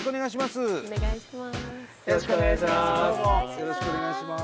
よろしくお願いします。